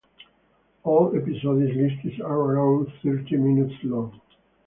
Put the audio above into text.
All episodes listed are around thirty minutes long.